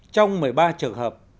trong một mươi ba trường hợp